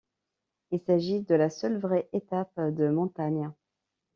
Il s'agit de la seule vraie étape de montagne.